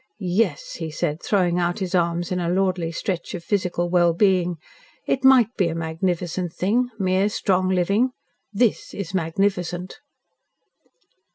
"Yes," he said, throwing out his arms in a lordly stretch of physical well being, "it might be a magnificent thing mere strong living. THIS is magnificent."